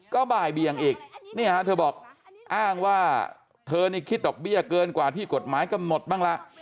ก็บ่ายเบียงอีกเธอบอกอ้างว่าเธอนี่คิดดอกเบี้ยเกินกว่าที่กฎหมายกำหนดบ้างละ